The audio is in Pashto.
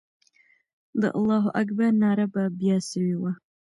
د الله اکبر ناره به بیا سوې وه.